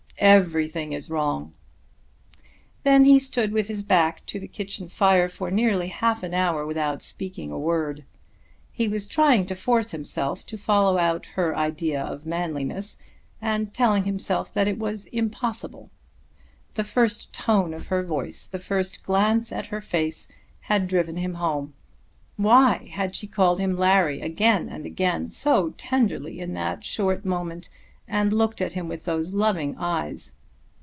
"Everything is wrong." Then he stood with his back to the kitchen fire for nearly half an hour without speaking a word. He was trying to force himself to follow out her idea of manliness, and telling himself that it was impossible. The first tone of her voice, the first glance at her face, had driven him home. Why had she called him Larry again and again, so tenderly, in that short moment, and looked at him with those loving eyes?